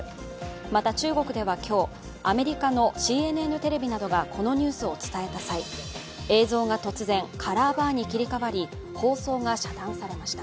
また、中国では今日、アメリカのＣＮＮテレビなどがこのニュースを伝えた際、映像が突然、カラーバーに切り替わり放送が遮断されました。